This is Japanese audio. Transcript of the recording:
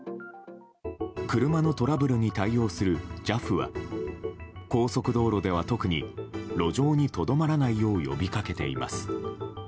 車のトラブルに対応するＪＡＦは高速道路では特に路上にとどまらないよう呼び掛けています。